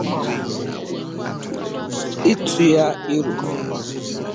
Ị tụ ya iro